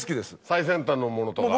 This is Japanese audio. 最先端のものとか。